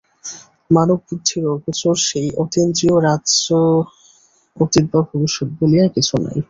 মানব-বুদ্ধির অগোচর সেই অতীন্দ্রিয় রাজ্যে অতীত বা ভবিষ্যৎ বলিয়া কিছু নাই।